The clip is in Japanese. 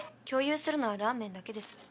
共有するのはラーメンだけです。